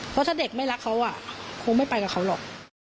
เพราะถ้าเด็กไม่รักเขาคงไม่ไปกับเขาหรอก